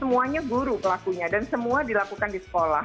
semuanya guru pelakunya dan semua dilakukan di sekolah